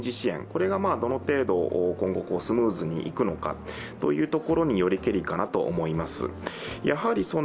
これがどの程度今後スムーズにいくのかというところによりけりかなと思います。